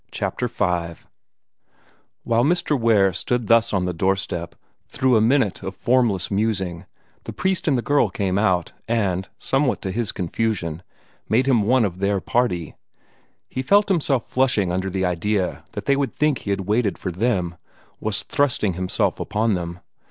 CHAPTER V While Mr. Ware stood thus on the doorstep, through a minute of formless musing, the priest and the girl came out, and, somewhat to his confusion, made him one of their party. He felt himself flushing under the idea that they would think he had waited for them was thrusting himself upon them.